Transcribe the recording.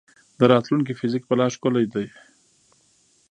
د راتلونکي فزیک به لا ښکلی دی.